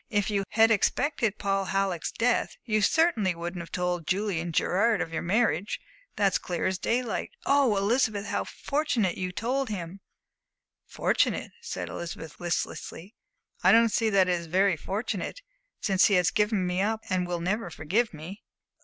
If you had had expected Paul Halleck's death, you certainly wouldn't have told Julian Gerard of your marriage. That's clear as daylight. Oh, Elizabeth, how fortunate that you told him!" "Fortunate?" said Elizabeth, listlessly. "I don't see that it is very fortunate, since he has given me up and will never forgive me."